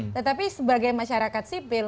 tetapi sebagai masyarakat sipil